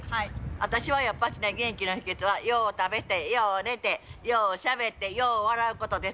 私はやっぱしね、元気の秘けつはよう食べてよう寝て、ようしゃべって、よう笑うことです。